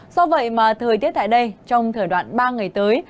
do vậy mà thời tiết tại đây trong thời đoạn ba ngày tới